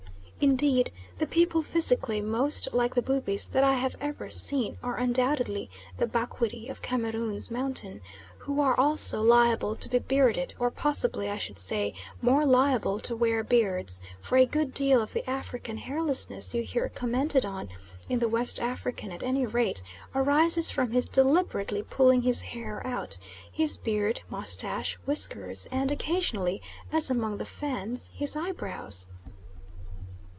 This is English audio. Indeed the people physically most like the Bubis that I have ever seen, are undoubtedly the Bakwiri of Cameroons Mountain, who are also liable to be bearded, or possibly I should say more liable to wear beards, for a good deal of the African hairlessness you hear commented on in the West African at any rate arises from his deliberately pulling his hair out his beard, moustache, whiskers, and, occasionally, as among the Fans, his eyebrows.